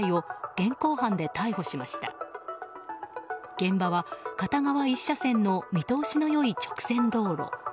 現場は片側１車線の見通しの良い直線道路。